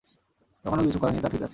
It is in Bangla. তখন কিছু করোনি তা ঠিক আছে।